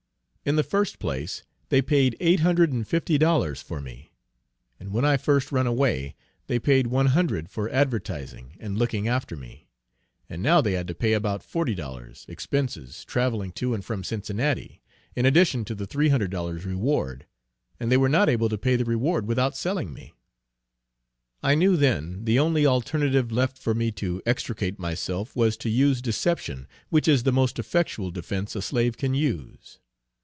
In the first place they paid eight hundred and fifty dollars for me; and when I first run away, they paid one hundred for advertising and looking after me; and now they had to pay about forty dollars, expenses travelling to and from Cincinnati, in addition to the three hundred dollars reward; and they were not able to pay the reward without selling me. I knew then the only alternative left for me to extricate myself was to use deception, which is the most effectual defence a slave can use.